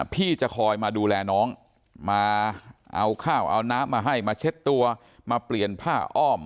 พี่จะคอยมาดูแลน้องมาเอาข้าวเอาน้ำมาให้มาเช็ดตัวมาเปลี่ยนผ้าอ้อม